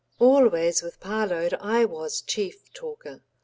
§ 4 Always with Parload I was chief talker.